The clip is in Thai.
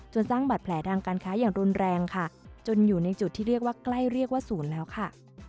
สร้างบาดแผลทางการค้าอย่างรุนแรงค่ะจนอยู่ในจุดที่เรียกว่าใกล้เรียกว่าศูนย์แล้วค่ะ